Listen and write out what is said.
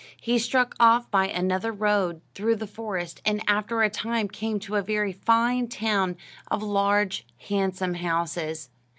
He struck off by another road through the forest, and after a time came to a very fine town, of large, handsome houses.